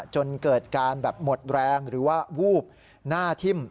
จนเกิดการแบบหมดแรงหรือว่าวูบหน้าทิ่ม